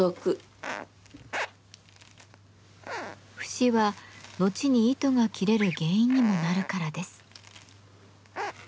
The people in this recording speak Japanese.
節は後に糸が切れる原因にもなるからです。